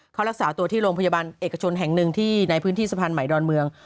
เขารักษาตัวที่โรงพยาบาลเอกชนแห่งหนึ่งที่ในพื้นที่สะพานใหม่ดอนเมือง